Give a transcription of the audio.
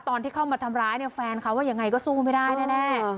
ตอนที่เข้ามาทำร้ายเนี่ยแฟนเขาว่ายังไงก็สู้ไม่ได้แน่